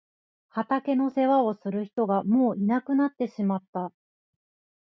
畑の世話をする人がもういなくなってしまった。